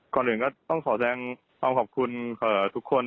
ก่อนอื่นก็ต้องขอแสดงความขอบคุณทุกคน